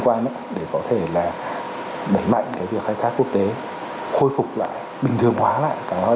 tục để có thể là đẩy mạnh cái việc khai thác quốc tế khôi phục lại bình thường hóa lại các hoạt